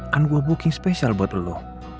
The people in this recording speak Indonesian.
kan gue booking spesial buat lo